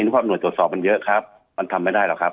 เพราะหน่วยตรวจสอบมันเยอะครับมันทำไม่ได้หรอกครับ